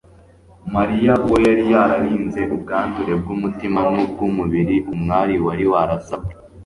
mariya, uwo yari yararinze ubwandure bw'umutima n'ubw'umubiri, umwari wari warasabwe